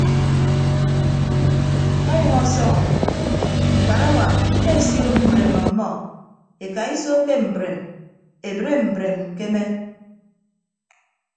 Ọnyʌñ ọsọñ mkparawa mmesio mbreem ọmmọ ekaiso ke mbreem ebre mbreem kemem.